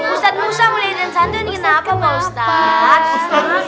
ustadz musa mulai dan santuin kenapa pak ustadz